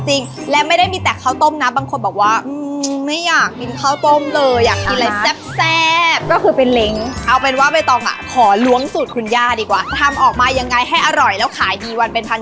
หมายถึงว่าแม่ต้องขอล้วงสูตรคุณญาติดีกว่าทำออกมายังไงให้อร่อยแล้วขายดีวันเป็นพัน